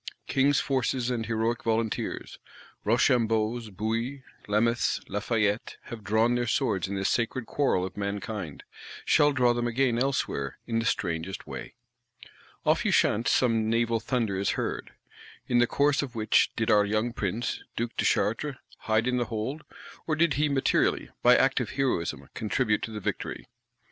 King's forces and heroic volunteers; Rochambeaus, Bouillés, Lameths, Lafayettes, have drawn their swords in this sacred quarrel of mankind;—shall draw them again elsewhere, in the strangest way. Off Ushant some naval thunder is heard. In the course of which did our young Prince, Duke de Chartres, "hide in the hold;" or did he materially, by active heroism, contribute to the victory?